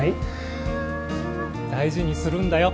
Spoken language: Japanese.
大事にするんだよ